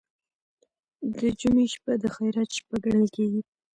د جمعې شپه د خیرات شپه ګڼل کیږي.